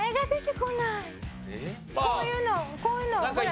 こういうのこういうのほら。